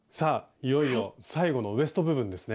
いよいよ最後のウエスト部分ですね。